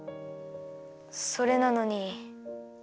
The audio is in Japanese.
それなのに。